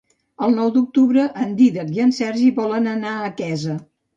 El nou d'octubre en Dídac i en Sergi volen anar a Quesa.